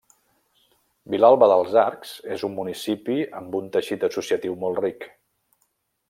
Vilalba dels Arcs és un municipi amb un teixit associatiu molt ric.